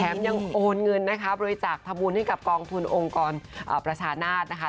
ยังโอนเงินนะคะบริจาคทำบุญให้กับกองทุนองค์กรประชานาศนะคะ